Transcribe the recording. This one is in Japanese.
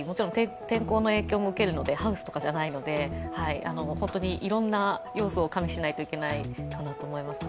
天候の影響も受けるのでハウスとかじゃないので、いろんな要素を加味しないといけないかなと思います。